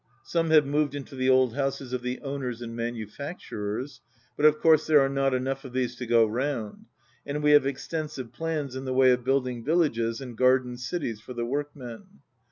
Some have moved into the old houses of the own ers and manufacturers, but of course there are not enough of these to go round, and we have exten sive plans in the way of building villages and ' garden cities for the workmen."